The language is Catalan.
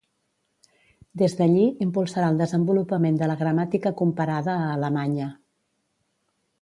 Des d'allí impulsarà el desenvolupament de la gramàtica comparada a Alemanya.